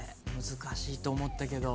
難しいと思ったけど。